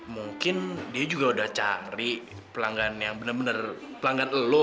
mungkin dia juga udah cari pelanggan yang bener bener pelanggan lu